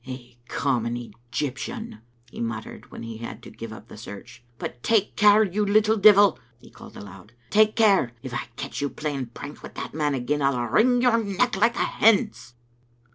" A common Egyptian !" he muttered when he had to give up the search. " But take care, you little devil," he called aloud; "take care; if I catch you playing pranks wi' that man again I'll wring your neck like a hen's!"